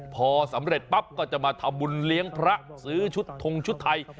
พอสำเร็จปั๊บก็จะมาทำบุญเลี้ยงพระซื้อชุดทงชุดไทย